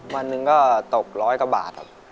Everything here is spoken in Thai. วันหนึ่งก็ตกร้อยกว่าบาทครับ